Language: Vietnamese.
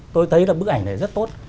tôi thấy là bức ảnh này rất tốt